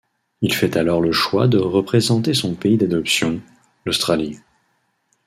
Il fait alors le choix de représenter son pays d'adoption, l'Australie.